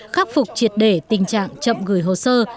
khắc phục triệt để tình trạng chậm gửi hồ sơ